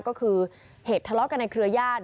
ก็คือเหตุทะเลาะกันในเครือญาติ